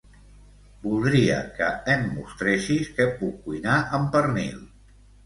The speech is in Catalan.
Voldria que em mostressis què puc cuinar amb pernil.